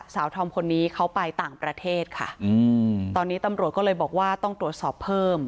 สาวธอมคนนี้เขาไปต่างประเทศค่ะอืมตอนนี้ตำรวจก็เลยบอกว่าต้องตรวจสอบเพิ่ม